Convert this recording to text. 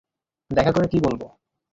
দেখা করে কী বলবো?